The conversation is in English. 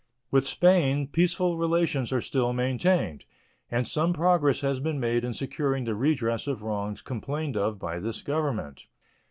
With Spain peaceful relations are still maintained, and some progress has been made in securing the redress of wrongs complained of by this Government.